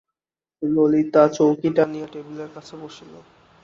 ললিতা চৌকি টানিয়া টেবিলের কাছে বসিল।